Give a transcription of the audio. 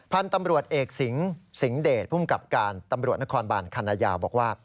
พันธุ์ตำรวจเอกสิงสิงหเดชภูมิกับการตำรวจนครบานคณะยาวบอกว่า